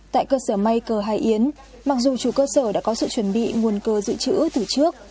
tại cơ sở may cờ hải yến mặc dù chủ cơ sở đã có sự chuẩn bị nguồn cơ dự trữ từ trước